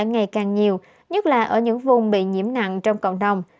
ngày càng nhiều nhất là ở những vùng bị nhiễm nặng trong cộng đồng